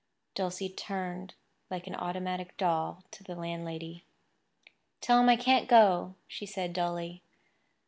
Dulcie turned like an automatic doll to the landlady. "Tell him I can't go," she said dully.